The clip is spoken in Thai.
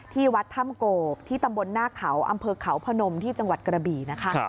ที่วัดถ้ำโกบที่ตำบลหน้าเขาอำเภอเขาพนมที่จังหวัดกระบี่นะคะ